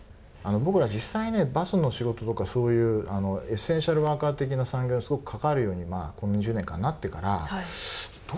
僕ら実際ねバスの仕事とかそういうエッセンシャルワーカー的な産業にすごく関わるようにこの２０年間なってからどっちがね